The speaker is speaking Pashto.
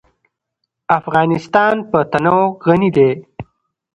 افغانستان په تنوع غني دی.